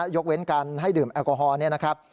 ยกเว้นการให้ดื่มแอลกอฮอล์เนี่ยนะครับ